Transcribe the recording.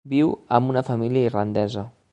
Viu amb una família irlandesa.